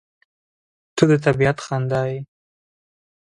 • ته د طبیعت خندا یې.